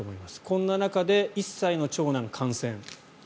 こんな中で１歳の長男が感染。